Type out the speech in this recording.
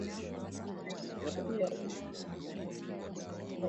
NCHI YETU KENYA